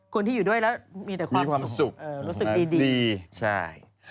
คนที่อยู่ด้วยแล้วมีแต่ความสุขรู้สึกดีดีใช่